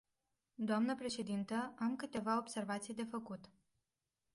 Dnă președintă, am câteva observații de făcut.